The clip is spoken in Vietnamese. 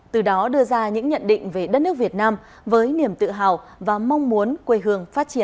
từ đó đưa ra những nhận định về đất nước việt nam với niềm tự hào và mong muốn quê hương phát triển